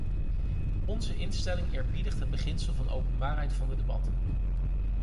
Onze instelling eerbiedigt het beginsel van de openbaarheid van de debatten.